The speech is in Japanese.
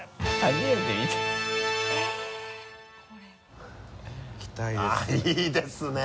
いきたいですね。